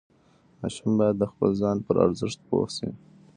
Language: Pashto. ماشوم باید د خپل ځان پر ارزښت پوه شي.